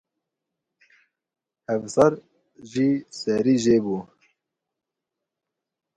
Hevsar jî serî jêbû.